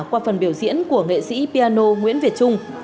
qua phần biểu diễn của nghệ sĩ piano nguyễn việt trung